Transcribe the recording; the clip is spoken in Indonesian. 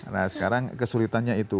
nah sekarang kesulitannya itu